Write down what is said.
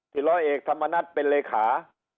ร้อยเอกธรรมนัฏเป็นเลขา